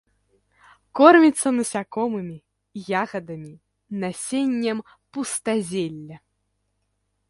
Корміцца насякомымі, ягадамі, насеннем пустазелля.